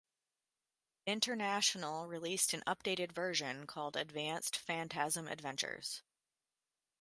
International released an updated version called "Advanced Phantasm Adventures".